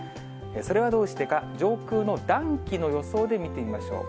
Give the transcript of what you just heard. それはどうしてか、上空の暖気の予想で見てみましょう。